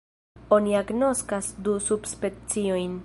Oni agnoskas du subspeciojn.